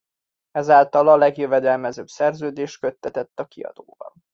Ezáltal a legjövedelmezőbb szerződés köttetett a kiadóval.